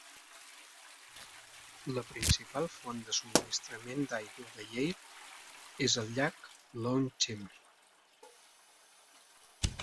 La principal font de subministrament d'aigua de Yale és el llac Lone Chimney.